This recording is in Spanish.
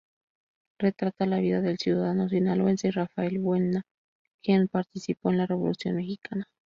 Retrata la vida del ciudadano sinaloense Rafael Buelna, quien participó en la Revolución Mexicana.